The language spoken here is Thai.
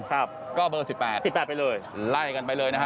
ครับก็เบอร์๑๘๑๘ไปเลยไล่กันไปเลยนะฮะ